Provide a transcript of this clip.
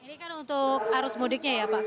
ini kan untuk arus mudiknya ya pak